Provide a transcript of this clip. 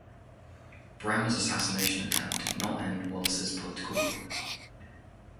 Bremer's assassination attempt did not end Wallace's political career.